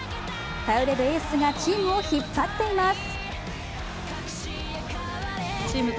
頼れるエースがチームを引っ張っています。